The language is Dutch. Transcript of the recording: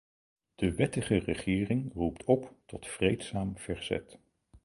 De wettige regering roept op tot vreedzaam verzet.